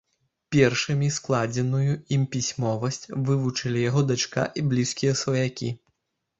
Першымі складзеную ім пісьмовасць вывучылі яго дачка і блізкія сваякі.